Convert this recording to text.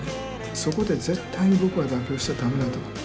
そこで絶対に僕は妥協しちゃだめだと。